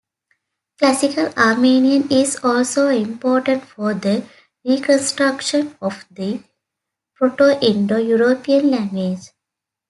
Classical Armenian is also important for the reconstruction of the Proto-Indo-European language.